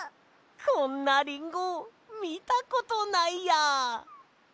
こんなリンゴみたことないや！